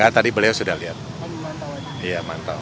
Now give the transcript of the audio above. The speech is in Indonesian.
tadi beliau sudah lihat